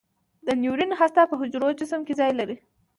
د نیورون هسته په حجروي جسم کې ځای لري.